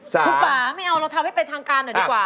คุณป่าไม่เอาเราทำให้เป็นทางการหน่อยดีกว่า